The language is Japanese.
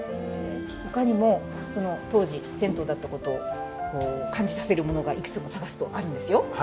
ほかにも当時銭湯だったことを感じさせるものがいくつも探すとあるんですよ。